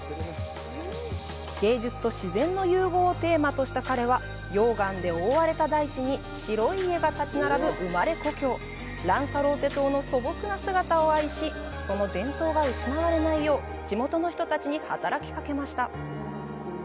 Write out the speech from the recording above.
芸術と自然の融合をテーマとした彼は溶岩で覆われた大地に白い家が立ち並ぶ生まれ故郷ランサローテ島の素朴な姿を愛しその伝統が失われないよう地元の人たちに働きかけました。